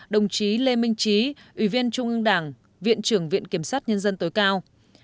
hai mươi sáu đồng chí lê minh trí ủy viên trung ương đảng viện trưởng viện kiểm sát nhân dân tối cao